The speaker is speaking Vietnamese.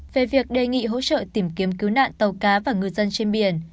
về việc đề nghị hỗ trợ tìm kiếm cứu nạn tàu cá và ngư dân trên biển